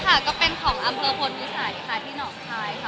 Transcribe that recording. ค่ะก็เป็นของอำเภอพลวิสัยค่ะที่หนองคายค่ะ